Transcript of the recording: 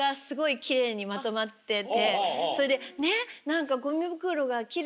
それでねっ。